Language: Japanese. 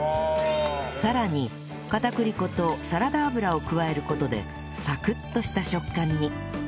更に片栗粉とサラダ油を加える事でサクッとした食感に